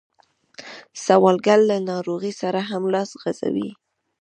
سوالګر له ناروغۍ سره هم لاس غځوي